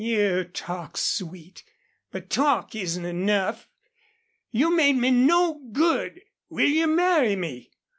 "You talk sweet ... but talk isn't enough. You made me no good .... Will you marry me?"